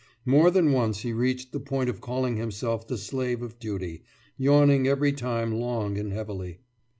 More than once he reached the point of calling himself the slave of duty, yawning every time long and heavily.